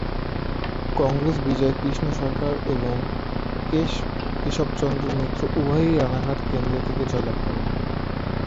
কংগ্রেস বিজয় কৃষ্ণ সরকার এবং কেশবচন্দ্র মিত্র উভয়েই রানাঘাট কেন্দ্র থেকে জয়লাভ করেন।